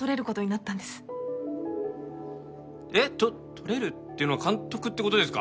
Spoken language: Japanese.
撮れるっていうのは監督って事ですか？